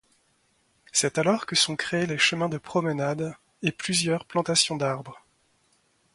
C'est alors que sont créés les chemins de promenade et plusieurs plantations d'arbres.